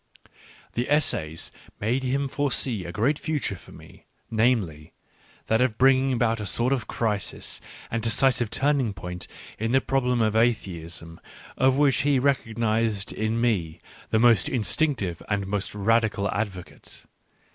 The essays made him foresee a great future for me, namely, that of bringing about a sort of crisis and decisive turning point in the problem of atheism, of which he recognised in me the most instinctive and most radical advocate.